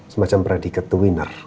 semacam predikat kemenang